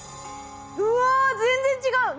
うわ全然違う！